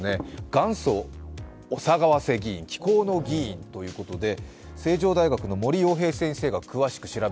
元祖お騒がせ議員、奇行の議員ということです。